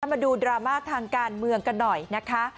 มาดูดราม่าทางการเมืองกันหน่อยนะคะ